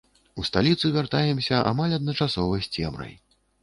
У сталіцу вяртаемся амаль адначасова з цемрай.